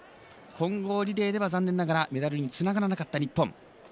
混合リレーでは残念ながらメダルにつながらなかった日本。